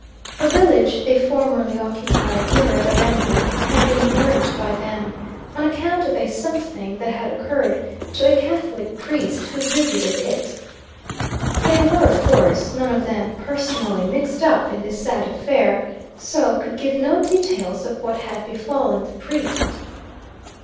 A village they formerly occupied nearer the Rembwe had been burnt by them, on account of a something that had occurred to a Catholic priest who visited it. They were, of course, none of them personally mixed up in this sad affair, so could give no details of what had befallen the priest.